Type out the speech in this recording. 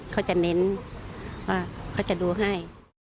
เขาจะเน้นว่าเขาจะดูให้